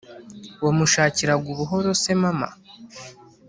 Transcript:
wamushakiraga ubuhoro se mama?"